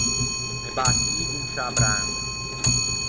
Me bäçigo in sciâ branda.